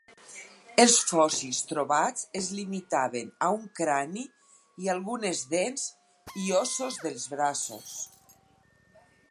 Els fòssils trobats es limitaven a un crani i algunes dents i ossos dels braços.